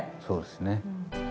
そうですね。